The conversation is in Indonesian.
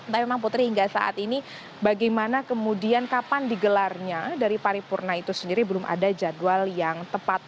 tapi memang putri hingga saat ini bagaimana kemudian kapan digelarnya dari paripurna itu sendiri belum ada jadwal yang tepat